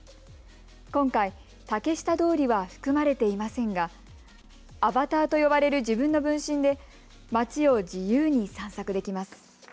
今回、竹下通りは含まれていませんがアバターと呼ばれる自分の分身で街を自由に散策できます。